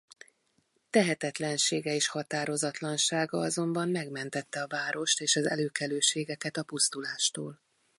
Tehetetlensége és határozatlansága azonban megmentette a várost és az előkelőségeket a pusztulástól.